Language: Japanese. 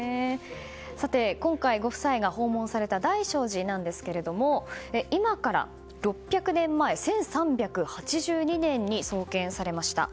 さて今回、ご夫妻が訪問された大聖寺なんですけれども今から６００年前、１３８２年に創建されました。